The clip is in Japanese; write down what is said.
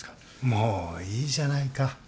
もういいじゃないか。